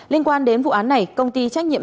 liên quan đến vụ án này công ty trách nhiệm